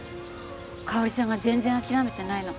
香織さんが全然諦めてないの私たち